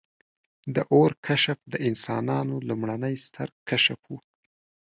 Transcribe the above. • د اور کشف د انسانانو لومړنی ستر کشف و.